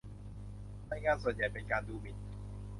รายงานส่วนใหญ่เป็นการดูหมิ่น